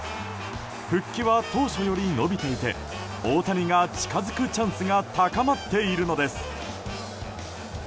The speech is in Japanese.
復帰は当初より延びていて大谷が近づくチャンスが高まっているのです。